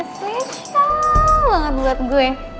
sesang banget buat gue